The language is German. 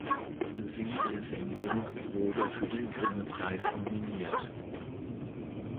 Sie Sendung wurde für den Grimme-Preis nominiert.